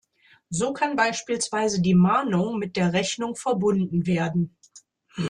So kann beispielsweise die Mahnung mit der Rechnung verbunden werden.